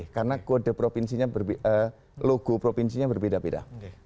karena kode provinsinya logo provinsinya berbeda beda